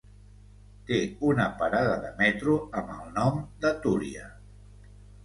Té una parada de metro amb el nom de Túria.